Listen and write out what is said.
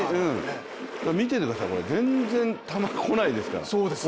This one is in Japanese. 見ていてください全然、球が来ないですから。